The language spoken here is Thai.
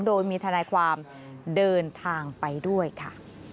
โดยมีทนายความเดินทางไปด้วยค่ะ